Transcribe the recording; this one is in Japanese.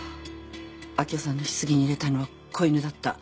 明生さんの棺に入れたのは子犬だった。